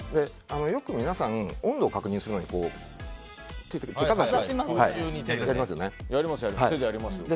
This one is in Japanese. よく、皆さん温度を確認するのに手をかざしますよね。